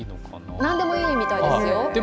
なんでもいいみたいですよ。